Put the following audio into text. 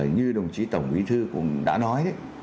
như đồng chí tổng quý thư cũng đã nói